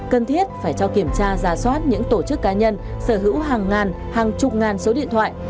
cần thiết phải cho kiểm tra giả soát những tổ chức cá nhân sở hữu hàng ngàn hàng chục ngàn số điện thoại